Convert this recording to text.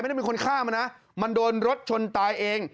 ไม่ได้มีคนฆ่ามันนะมันโดนรถชนตายเอง